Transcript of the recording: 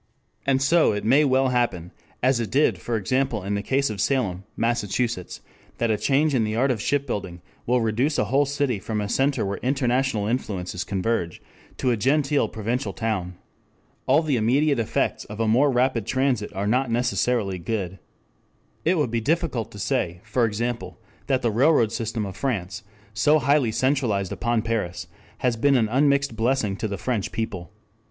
And so it may well happen, as it did for example in the case of Salem, Massachusetts, that a change in the art of shipbuilding will reduce a whole city from a center where international influences converge to a genteel provincial town. All the immediate effects of more rapid transit are not necessarily good. It would be difficult to say, for example, that the railroad system of France, so highly centralized upon Paris, has been an unmixed blessing to the French people.